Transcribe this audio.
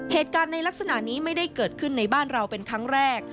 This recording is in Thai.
เหตุการณ์ในลักษณะนี้ไม่ได้เกิดขึ้นในบ้านเราเป็นครั้งแรก